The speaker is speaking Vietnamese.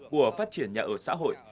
của phát triển nhà ở xã hội